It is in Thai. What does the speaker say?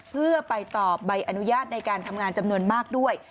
เพื่อไปตอบใบอนุญาตในการทำงานจำนวนมากด้วย